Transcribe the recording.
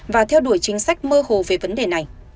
và theo đuổi chính sách mơ hồ về vấn đề này